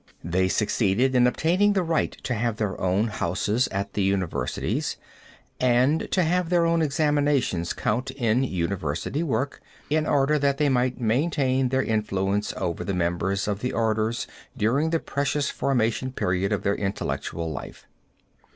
They succeeded in obtaining the right to have their own houses at the universities and to have their own examinations count in university work, in order that they might maintain their influence over the members of the orders during the precious formative period of their intellectual life.